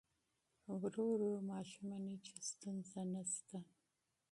ورو ورو ماشوم مني چې ستونزه نشته.